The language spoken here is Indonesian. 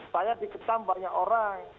banyak diketahui banyak orang